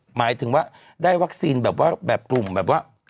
หมายถึงว่าได้วัคซีนแบบว่าแบบกลุ่มแบบว่า